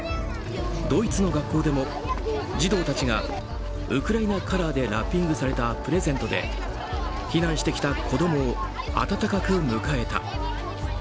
ドイツの学校でも児童たちがウクライナカラーでラッピングされたプレゼントで避難してきた子供を温かく迎えた。